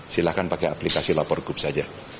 silahkan pakai aplikasi lapor group saja